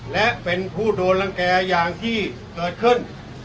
และเป็นผู้โดนรังแก่อย่างที่เกิดขึ้น